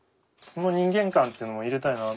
その人間観ってのを入れたいな。